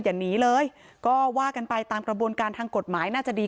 อย่าหนีเลยก็ว่ากันไปตามกระบวนการทางกฎหมายน่าจะดี